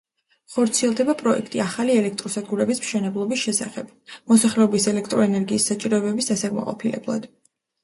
ხორციელდება პროექტი ახალი ელექტროსადგურების მშენებლობის შესახებ, მოსახლეობის ელექტროენერგიის საჭიროებების დასაკმაყოფილებლად.